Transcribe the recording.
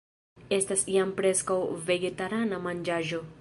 Estas jam preskaŭ vegetarana manĝaĵo